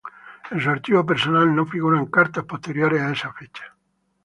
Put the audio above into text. En su archivo personal no figuran cartas posteriores a esta fecha.